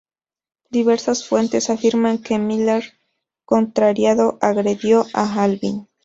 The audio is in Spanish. Diversas fuentes afirman que Myer contrariado agredió a Alvin.